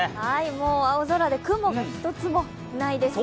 もう青空で雲が一つもないですね。